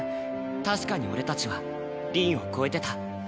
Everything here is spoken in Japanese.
確かに俺たちは凛を超えてた。